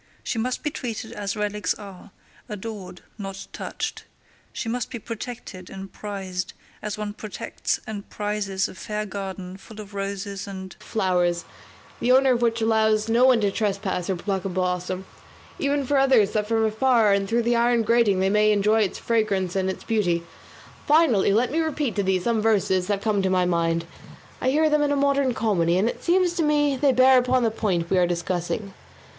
She must be treated as relics are; adored, not touched. She must be protected and prized as one protects and prizes a fair garden full of roses and flowers, the owner of which allows no one to trespass or pluck a blossom; enough for others that from afar and through the iron grating they may enjoy its fragrance and its beauty. Finally let me repeat to thee some verses that come to my mind; I heard them in a modern comedy, and it seems to me they bear upon the point we are discussing.